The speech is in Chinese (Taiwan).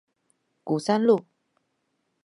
鼓山路